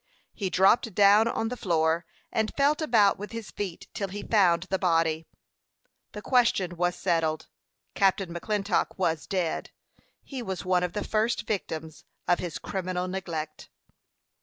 He dropped down on the floor, and felt about with his feet, till he found the body. The question was settled. Captain McClintock was dead. He was one of the first victims of his criminal neglect.